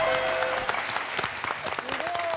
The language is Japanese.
すごーい！